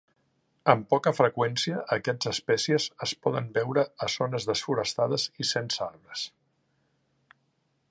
Amb poca freqüència, aquests espècies es poden veure a zones desforestades i sense arbres.